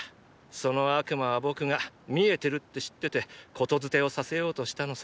その悪魔は僕が視えてるって知ってて言伝をさせようとしたのさ。